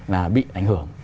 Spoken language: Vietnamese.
là bị ảnh hưởng